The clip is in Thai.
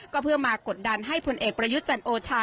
ก็เพื่อมากดดันให้พลเอกประยุทธ์จันโอชา